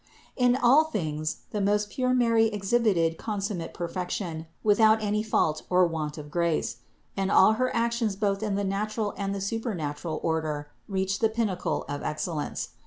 425. In all things the most pure Mary exhibited con summate perfection, without any fault or want of grace ; and all her actions both in the natural and the super natural order reached the pinnacle of excellence.